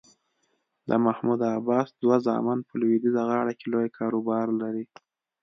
د محمود عباس دوه زامن په لویدیځه غاړه کې لوی کاروبار لري.